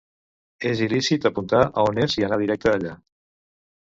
És il·lícit apuntar on és i anar directe allà.